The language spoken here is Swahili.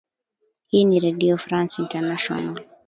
hii ni redio france international